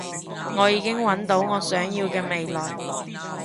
我已經搵到我想要嘅未來